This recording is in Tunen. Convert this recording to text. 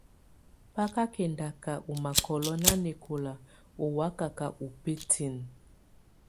Bá kà kɛndaka ù makɔ̀lɔ̀ nanɛkɔla ù wakaka ù bǝ́tinǝ́.